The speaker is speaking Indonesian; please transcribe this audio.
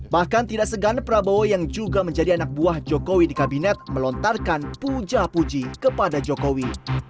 bahkan tidak segan prabowo yang juga menjadi anak buah jokowi di kabinet melontarkan puja puji kepada jokowi